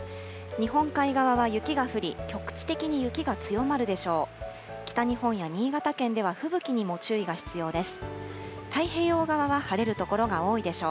日本海側は雪が降り、局地的に雪が強まるでしょう。